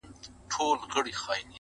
د زړگي غوښي مي د شپې خوراك وي~